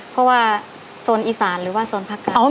เพราะว่าโซนอีสานหรือว่าโซนภาคกลาง